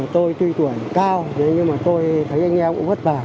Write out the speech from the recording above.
tôi tuy tuổi cao nhưng mà tôi thấy anh em cũng bất vả